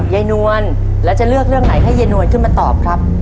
นวลแล้วจะเลือกเรื่องไหนให้ยายนวลขึ้นมาตอบครับ